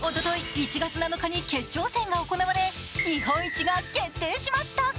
１月７日に決勝戦が行われ、日本一が決定しました。